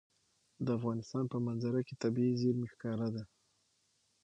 د افغانستان په منظره کې طبیعي زیرمې ښکاره ده.